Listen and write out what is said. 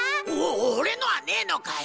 俺のはねのかよ！